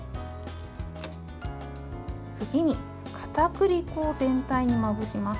次にかたくり粉を全体にまぶします。